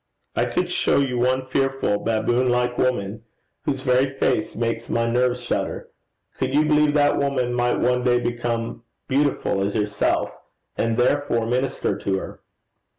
I could show you one fearful baboon like woman, whose very face makes my nerves shudder: could you believe that woman might one day become a lady, beautiful as yourself, and therefore minister to her?